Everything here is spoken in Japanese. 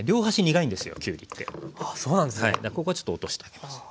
ここはちょっと落としてあげます。